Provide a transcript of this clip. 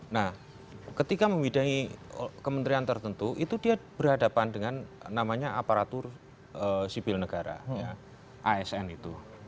nah ketika membidangi kementerian tertentu itu dia berhadapan dengan namanya aparatur sipil negara asn itu